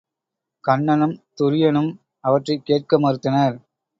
கன்னனும் துரியனும் அவற்றைக் கேட்க மறுத்தனர்.